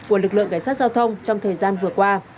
của lực lượng cảnh sát giao thông trong thời gian vừa qua